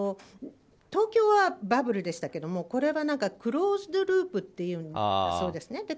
東京はバブルでしたがこれはクローズドループというそうですね。